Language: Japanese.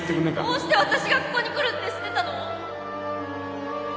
どうしてわたしがここに来るって知ってたの！？